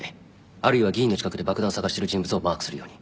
あるいは議員の近くで爆弾探してる人物をマークするように。